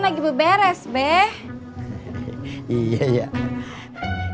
dahulu bagus lalu bukan belum apa apa kan